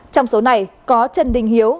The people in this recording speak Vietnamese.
trong số này có trần đình hiếu